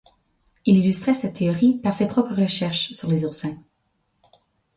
Il illustrait cette théorie par ses propres recherches sur les oursins.